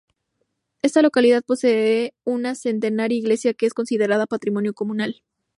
Esta localidad posee una centenaria iglesia que es considerada patrimonio comunal.